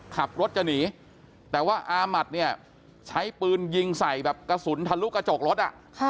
ขับรถจะหนีแต่ว่าอามัติเนี่ยใช้ปืนยิงใส่แบบกระสุนทะลุกระจกรถ